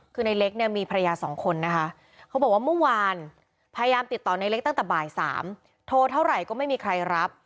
คือในเล็กเนี่ยมีภรรยาสองคนนะคะเขาบอกว่าเมื่อวานพยายามติดต่อในเล็กตั้งแต่บ่าย๓โทรเท่าไหร่ก็ไม่มีใครรับ